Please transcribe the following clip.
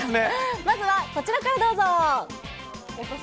まずはこちらからどうぞ。